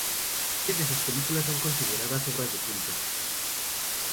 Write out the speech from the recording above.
Varias de sus películas son consideradas obras de culto.